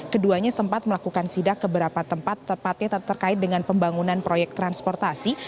keduanya sempat melakukan sidak keberapa tempat tempatnya terkait dengan pembangunan proyek transportasi